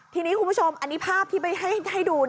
ทีนี้คุณผู้ชมอันนี้ภาพที่ไปให้ดู